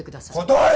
断る！